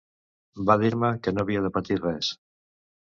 Va dir-me que no havia de patir res.